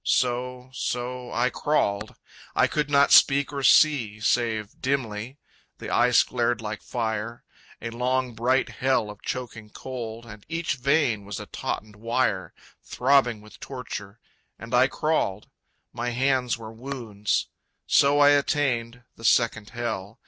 So, so, I crawled. I could not speak or see Save dimly. The ice glared like fire, A long bright Hell of choking cold, And each vein was a tautened wire, Throbbing with torture and I crawled. My hands were wounds. So I attained The second Hell.